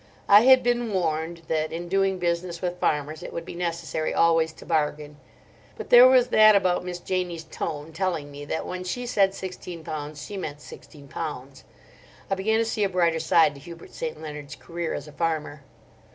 I had been warned that in doing business with farmers it would be necessary always to bargain; but there was that about Miss Janie's tone telling me that when she said sixteen pounds she meant sixteen pounds. I began to see a brighter side to Hubert St. Leonard's career as a farmer.